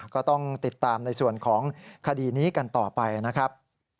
ก็ต้องติดตามในส่วนของคดีนี้กันต่อไปนะครับ